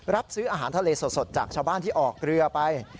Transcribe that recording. รับซื้ออาหารทะเลสดจากชาวบ้านที่ออกเรือไป